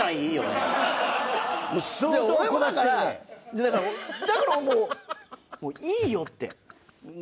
俺もだからだからもういいよって。